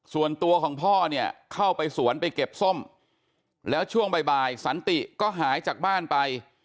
ส่วนตัวของพ่อเนี่ยเข้าไปสวนไปเก็บส้มแล้วช่วงบ่ายสันติก็หายจากบ้านไป